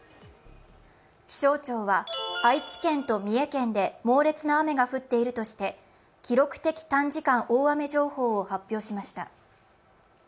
気象庁は愛知県と三重県で猛烈な雨が降っているとして記録的短時間大雨情報を発表しました。